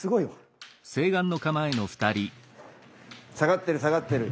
下がってる下がってる！